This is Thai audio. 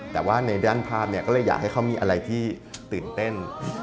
แต่ว่าในด้านภาพเนี่ยก็เลยอยากให้เขามีอะไรที่ตื่นเต้น